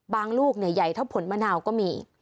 ลูกใหญ่เท่าผลมะนาวก็มี